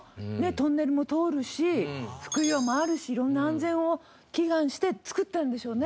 トンネルも通るし福岩もあるし色んな安全を祈願して作ったんでしょうね。